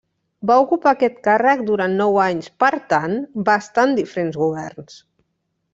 Va ocupar aquest càrrec durant nou anys, per tant va estar en diferents governs.